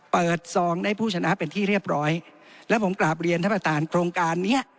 ซองได้ผู้ชนะเป็นที่เรียบร้อยแล้วผมกราบเรียนท่านประธานโครงการเนี้ย